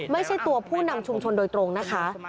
ไม่ใช่ตัวผู้นำชุมชนโดยตรงนะคะ